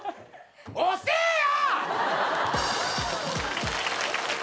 遅えよ！